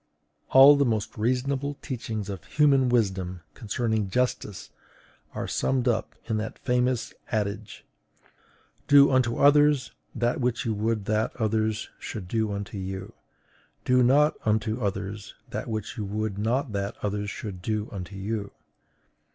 All the most reasonable teachings of human wisdom concerning justice are summed up in that famous adage: DO UNTO OTHERS THAT WHICH YOU WOULD THAT OTHERS SHOULD DO UNTO YOU; DO NOT UNTO OTHERS THAT WHICH YOU WOULD NOT THAT OTHERS SHOULD DO UNTO YOU.